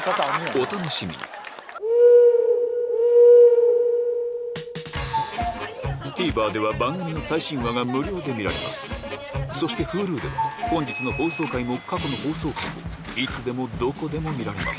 お楽しみにＴＶｅｒでは番組の最新話が無料で見られますそしてＨｕｌｕでは本日の放送回も過去の放送回もいつでもどこでも見られます